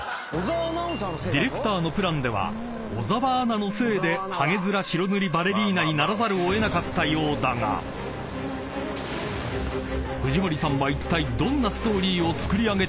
［ディレクターのプランでは小澤アナのせいでハゲヅラ白塗りバレリーナにならざるを得なかったようだが藤森さんはいったいどんなストーリーを作り上げてくるのか？］